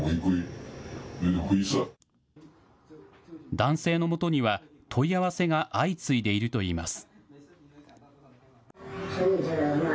男性のもとには、問い合わせが相次いでいるといいます。